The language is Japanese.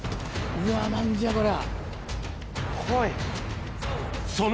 うわ何じゃこりゃ。